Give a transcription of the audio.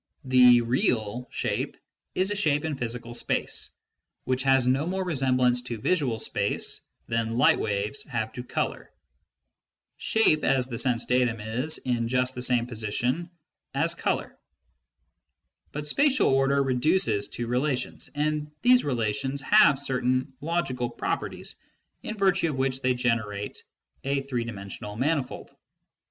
The " risal " shape is a shape in physical space, which has no more resemblance to visual space than light waves have to colour. Shape as the sense datum is in just the same position as colour. But spatial order reduces to relations, and these relations have certain logical properties in virtue of which they generate a three dimensional manifold.